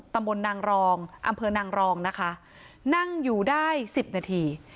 ตำบลนางรองอำเภอนางรองนะคะนั่งอยู่ได้สิบนาที